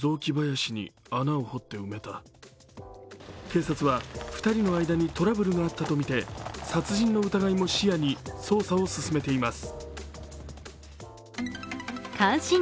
警察は２人の間にトラブルがあったとみて殺人の疑いも視野に捜査を進めています。